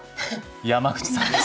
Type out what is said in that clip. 山口さんです。